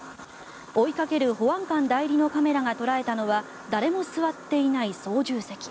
追いかける保安官代理のカメラが捉えたのは誰も座っていない操縦席。